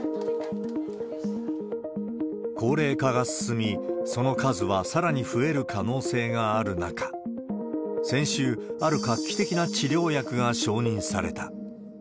高齢化が進み、その数はさらに増える可能性がある中、先週、ある画期的な治療薬が承認された。